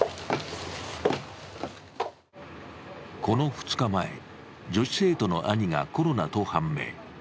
この２日前、女子生徒の兄がコロナと判明。